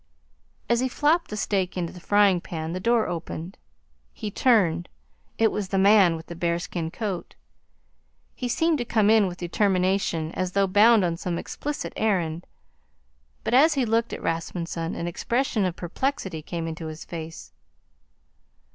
As he flopped the steak into the frying pan the door opened. He turned. It was the man with the bearskin coat. He seemed to come in with determination, as though bound on some explicit errand, but as he looked at Rasmunsen an expression of perplexity came into his face.